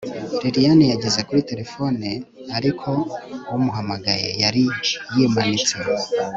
lilian yageze kuri terefone, ariko umuhamagaye yari yimanitse